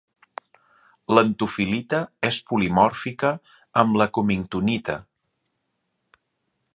L'antofil·lita és polimòrfica amb la cummingtonita.